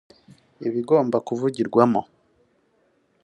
ibigomba kuvugirwamo